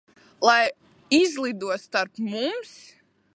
Lai izlido starp mums.